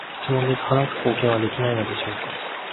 質問です、話す貢献は利用できないのでしょうか？